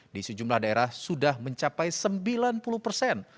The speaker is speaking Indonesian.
di sejumlah daerah sudah mencapai sembilan puluh persen